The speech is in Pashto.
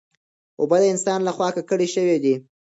اوبه د انسان له خوا ککړې شوې دي.